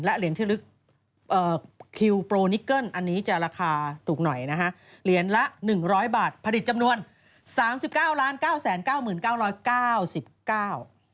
เหรียญที่ลึกคิวโปรนิเกิ้ลอันนี้จะราคาถูกหน่อยนะฮะเหรียญละหนึ่งร้อยบาทผลิตจำนวนสามสิบเก้าล้านเก้าแสนเก้าหมื่นเก้าร้อยเก้าสิบเก้า